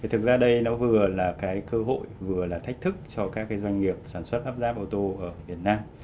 thực ra đây nó vừa là cái cơ hội vừa là thách thức cho các doanh nghiệp sản xuất lắp ráp ô tô ở việt nam